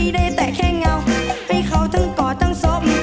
ได้แต่แค่เงาให้เขาทั้งกอดทั้งศพ